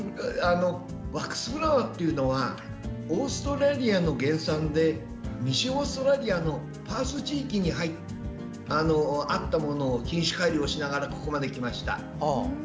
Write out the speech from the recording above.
ワックスフラワーっていうのはオーストラリアの原産で西オーストラリアのパース地域にあったものを品種改良しながらここまできました。